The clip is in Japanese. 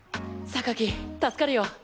助かるよ。